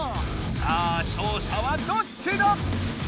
さあ勝者はどっちだ